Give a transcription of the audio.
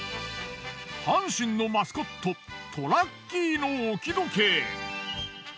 阪神のマスコットトラッキーの置き時計。